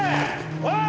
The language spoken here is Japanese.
おい！